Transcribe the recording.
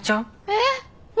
えっ？